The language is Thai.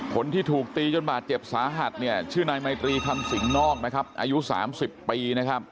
คนที่ถูกตีจนบาดเจ็บสาหัสชื่อนายมายตรีคำสิงนอกอายุ๓๐ปี